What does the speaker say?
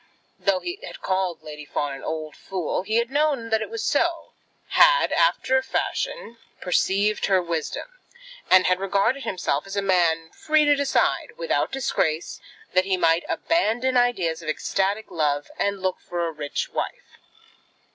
Though he had called Lady Fawn an old fool, he had known that it was so, had, after a fashion, perceived her wisdom, and had regarded himself as a man free to decide, without disgrace, that he might abandon ideas of ecstatic love and look out for a rich wife.